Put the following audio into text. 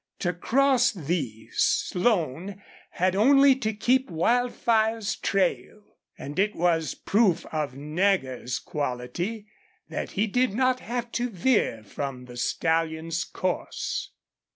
To cross these Slone had only to keep Wildfire's trail. And it was proof of Nagger's quality that he did not have to veer from the stallion's course.